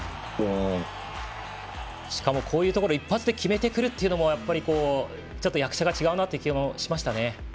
しかも、こういうところで一発で決めてくるというのもちょっと、役者が違うなという気もしますね。